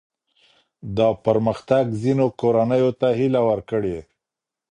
دا پرمختګ ځینو کورنیو ته هیله ورکړې.